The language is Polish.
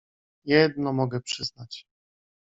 — Jedno mogę przyznać.